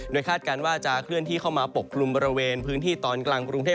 คาดการณ์ว่าจะเคลื่อนที่เข้ามาปกคลุมบริเวณพื้นที่ตอนกลางกรุงเทพ